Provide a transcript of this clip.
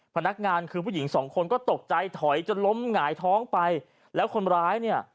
พนักงานคือผู้หญิงสองคนก็ตกใจถอยจนล้มหงายท้องไปแล้วคนร้ายเนี่ย